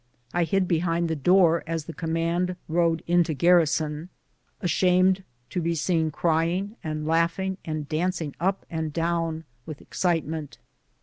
I hid behind the door as the command rode into garrison, ashamed to be seen crying and laughing and dancing up and down with excitement.